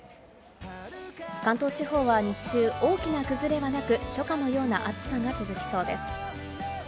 関東地方は日中大きな崩れはなく、初夏のような暑さが続きそうです。